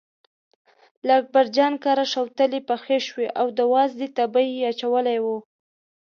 له اکبرجان کره شوتلې پخې شوې او د وازدې تبی یې اچولی و.